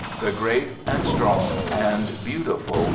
— the great and strong and beau tiful virtue.